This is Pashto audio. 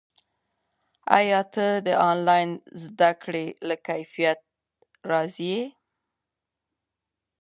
ایا ته د آنلاین زده کړې له کیفیت راضي یې؟